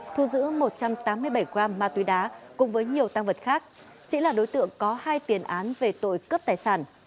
thu giữ một trăm tám mươi bảy gram ma túy đá cùng với nhiều tăng vật khác sĩ là đối tượng có hai tiền án về tội cướp tài sản